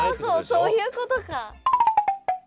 そういうことか。